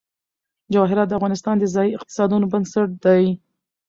جواهرات د افغانستان د ځایي اقتصادونو بنسټ دی.